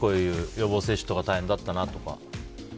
予防接種とか大変だったなとか。